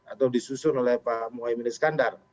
atau disusun oleh pak mwimil skandar